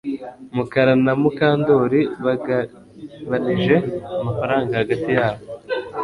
Mukara na Mukandoli bagabanije amafaranga hagati yabo